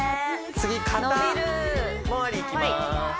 次肩回りいきます